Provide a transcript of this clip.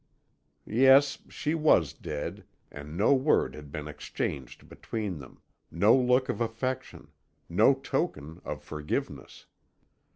"Yes, she was dead, and no word had been exchanged between them no look of affection no token of forgiveness.